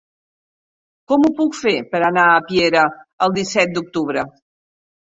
Com ho puc fer per anar a Piera el disset d'octubre?